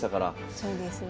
そうですね。